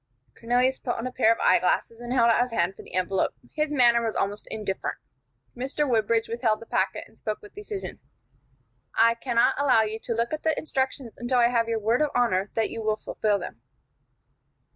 Cornelius put on a pair of eye glasses, and held out his hand for the envelope. His manner was almost indifferent. Mr. Woodbridge withheld the packet, and spoke with decision: "I cannot allow you to look at the instructions until I have your word of honor that you will fulfil them."